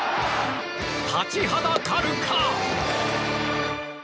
立ちはだかるか？